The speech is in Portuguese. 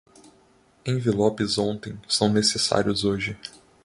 Envelopes ontem são necessários hoje.